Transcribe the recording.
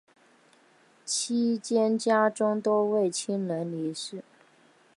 期间家中多位亲人离世。